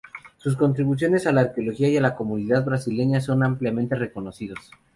Sus contribuciones a la arqueología y a la comunidad brasileña son ampliamente reconocidos.